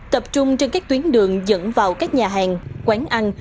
tập trung trên các tuyến đường dẫn vào các nhà hàng quán ăn